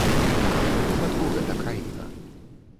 У нашым выпадку гэта краіна.